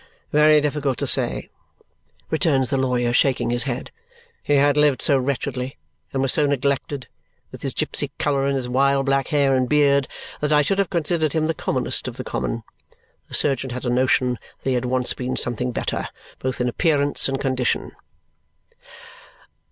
"Very difficult to say," returns the lawyer, shaking his head. "He had lived so wretchedly and was so neglected, with his gipsy colour and his wild black hair and beard, that I should have considered him the commonest of the common. The surgeon had a notion that he had once been something better, both in appearance and condition."